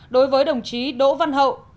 đối với đồng chí đỗ văn hậu